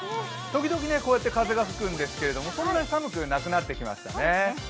時々風が吹くんですけどそんなに寒くなくなってきましたね。